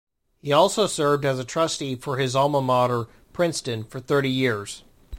He also served as a trustee for his alma mater, Princeton, for thirty years.